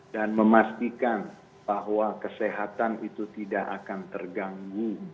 memastikan bahwa kesehatan itu tidak akan terganggu